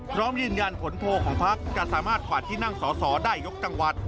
พร้อมยืนยันผลโพลของพักจะสามารถกวาดที่นั่งสอสอได้ยกจังหวัด